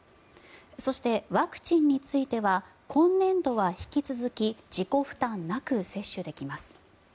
そして、ワクチンについては今年度は引き続き自己負担なく接種できます。